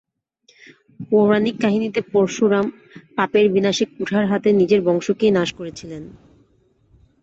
পৌরাণিক কাহিনিতে পরশুরাম পাপের বিনাশে কুঠার হাতে নিজের বংশকেই নাশ করেছিলেন।